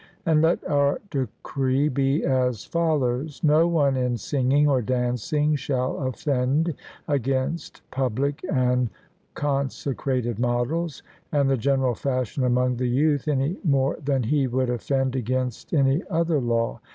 And let our decree be as follows: No one in singing or dancing shall offend against public and consecrated models, and the general fashion among the youth, any more than he would offend against any other law.